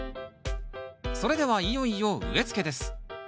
それではいよいよ植えつけです。